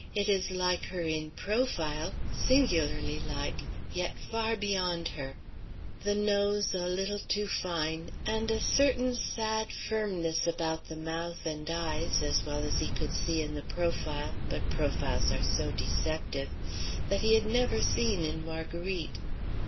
It is like her in profile, singularly like, yet far beyond her; the nose a little too fine, and a certain sad firmness about the mouth and eyes, as well as he could see in the profile, but profiles are so deceptive that he had never seen in Marguerite.